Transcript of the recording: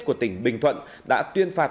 của tỉnh bình thuận đã tuyên phạt